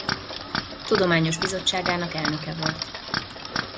Tudományos Bizottságának elnöke volt.